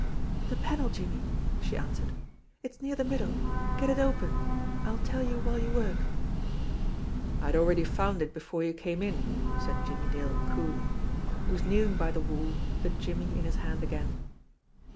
"The panel, Jimmie!" she answered. "It's near the mid dle. Get it open! I'll tell you while you work." "I had already found it before you came in," said Jimmie Dale coolly. He was kneeling by the wall, the "jimmy" in his hand again.